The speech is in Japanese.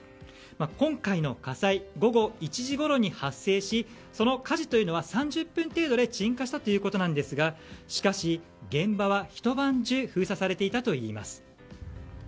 今回の火災午後１時ごろに発生しその火事というのは３０分程度で鎮火したということですがしかし、現場はひと晩中封鎖されていたといいます。